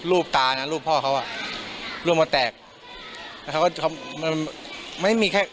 รูปตานะรูปพ่อเขาอ่ะรูปมาแตกแล้วเขาก็มันไม่มีแค่